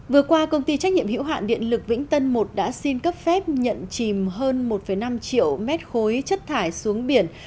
vừa qua công ty trách nhiệm hữu hạn điện lực vĩnh tân i đã xin cấp phép nhận chìm hơn một năm triệu m ba chất thải xuống biển